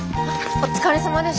お疲れさまです。